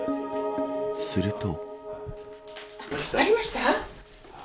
すると。